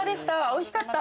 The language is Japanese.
おいしかった。